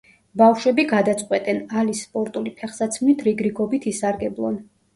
ბავშვები გადაწყვეტენ, ალის სპორტული ფეხსაცმლით რიგრიგობით ისარგებლონ.